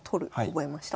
覚えました。